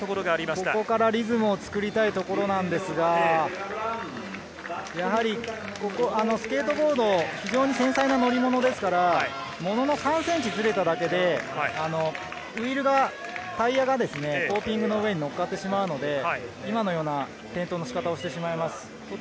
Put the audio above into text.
ここからリズムを作りたいところなんですが、スケートボードは非常に繊細な乗り物ですから、ものの３ｃｍずれただけで、タイヤがコーティングの上に乗っかってしまうので、今のような転倒の仕方をしてしまいます。